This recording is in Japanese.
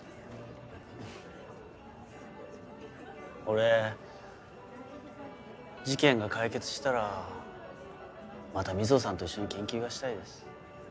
俺事件が解決したらまた水帆さんと一緒に研究がしたいです。